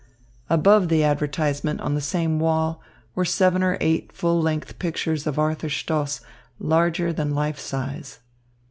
Above the advertisement on the same wall were seven or eight full length pictures of Arthur Stoss larger than life size.